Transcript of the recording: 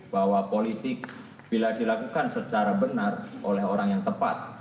bahwa politik bila dilakukan secara benar oleh orang yang tepat